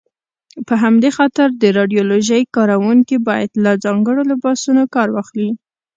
په همدې خاطر د راډیالوژۍ کاروونکي باید له ځانګړو لباسونو کار واخلي.